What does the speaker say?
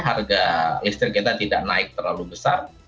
harga listrik kita tidak naik terlalu besar